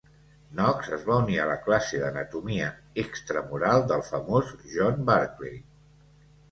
Knox es va unir a la classe d'anatomia "extramural" del famós John Barclay.